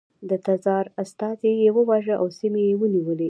د تزار استازي یې ووژل او سیمې یې ونیولې.